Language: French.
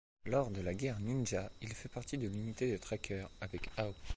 Lors de la guerre ninja, il fait partie de l’unité des traqueurs avec Ao.